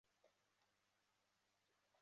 亚东蒲公英为菊科蒲公英属下的一个种。